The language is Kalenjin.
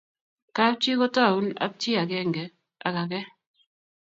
kab chi kotaun ak chi akenge ak ake